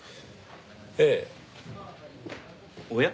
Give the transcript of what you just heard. ええ。おや？